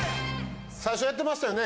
最初やってましたよね